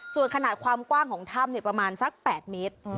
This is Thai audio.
ส่วนขนาดความกว้างของถ้ำประมาณสัก๘เมตร